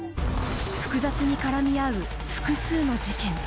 複雑に絡み合う複数の事件